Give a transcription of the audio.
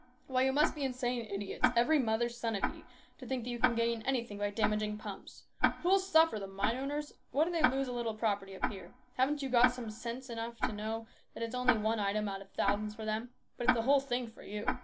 Why, you must be insane idiots, every mother's son of ye, to think you can gain anything by damaging pumps ! Who'll suffer ? The mine owners ? What if they do lose a little property up here ? Haven't you got sense enough to know that it is only one item out of AN ORATOR. 269 thousands for them ? But it's the whole thing for you.